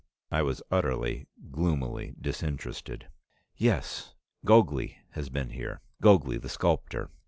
I was utterly, gloomily disinterested. "Yes. Gogli has been here, Gogli the sculptor.